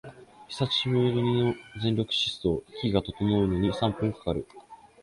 久しぶりの全力疾走、息が整うのに三分かかる